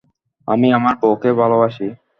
আমি আমার বউকে ভালোবাসি!